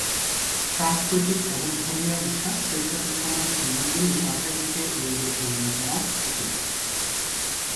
সাংস্কৃতিক এবং ধর্মীয় বিশ্বাস সেইসাথে সামাজিক নিয়মগুলি মাথায় রেখে এই রোগ নির্ণয় করা উচিত।